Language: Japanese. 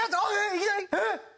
いきなり？えっ！